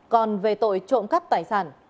còn về tội trộm cắp tài sản